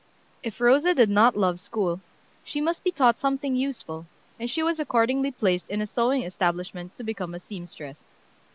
If Rosa did not love school, she must be taught something useful, and she was accordingly placed in a sewing establishment to become a seamstress.